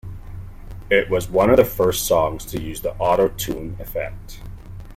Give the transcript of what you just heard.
It was one of the first songs to use the autotune effect.